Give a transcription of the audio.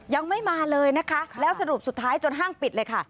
ยังไม่มาเลยนะคะแล้วสรุปสุดท้ายจนห้างปิดเลยค่ะ